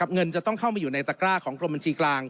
เงินจะต้องเข้ามาอยู่ในตะกร้าของกรมบัญชีกลาง